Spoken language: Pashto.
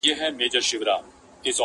سړي ښخ کئ سپي د کلي هدیره کي,